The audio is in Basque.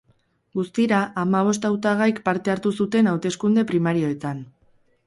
Guztira, hamabost hautagaik parte hartu zuten hauteskunde primarioetan.